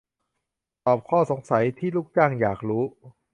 ตอบข้อสงสัยที่ลูกจ้างอยากรู้